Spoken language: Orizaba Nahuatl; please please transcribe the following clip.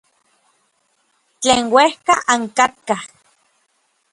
Tlen uejka ankatkaj.